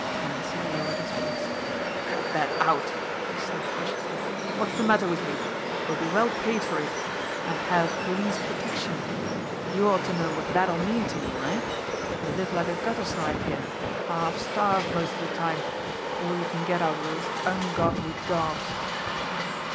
Clancy lowered his voice. "Cut that out!" he snapped viciously. "What's the matter with you! You'll be well paid for it and have police protection. You ought to know what that'll mean to you eh? You live like a gutter snipe here half starved most of the time, for all you can get out of those ungodly daubs!"